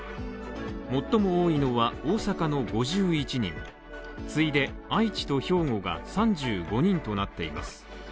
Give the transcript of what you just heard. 最も多いのは大阪の５１人、次いで愛知と兵庫が３５人となっています。